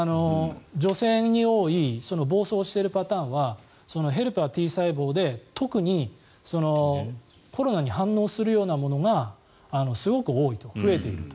女性に多い、暴走するパターンはヘルパーＴ細胞で特にコロナに反応するようなものがすごく多い、増えていると。